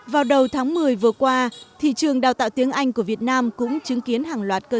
vào đầu tháng một mươi vừa qua thị trường đào tạo tiếng anh của việt nam cũng chứng kiến hàng loạt cơ